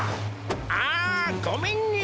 ああごめんね